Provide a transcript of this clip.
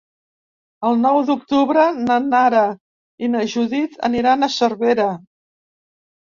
El nou d'octubre na Nara i na Judit aniran a Cervera.